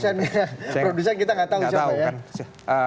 produsen kita nggak tahu siapa ya